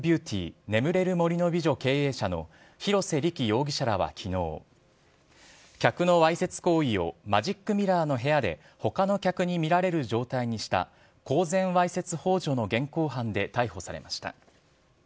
ビューティー・眠れる森の美女経営者の広瀬理基容疑者らはきのう、客のわいせつ行為をマジックミラーの部屋で、ほかの客に見られる状態にした、公然わいせつほう助の現行犯で逮捕されました。